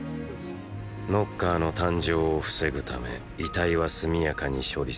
ノッカーの誕生を防ぐため遺体は速やかに処理された。